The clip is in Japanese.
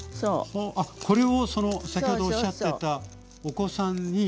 これを先ほどおっしゃってたお子さんに。